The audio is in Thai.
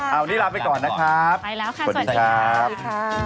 เอานี่ลาไปก่อนนะครับ